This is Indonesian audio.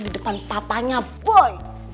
di depan papanya boy